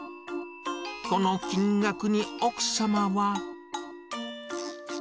この金額に奥様は。